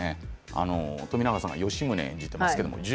冨永さんは吉宗を演じています。